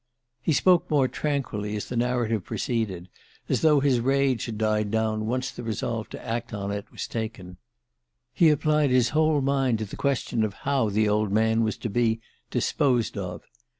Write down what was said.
He spoke more tranquilly as the narrative proceeded, as though his rage had died down once the resolve to act on it was taken. He applied his whole mind to the question of how the old man was to be "disposed of."